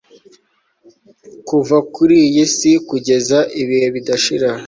kuva kuri iyi si kugeza ibihe bidashira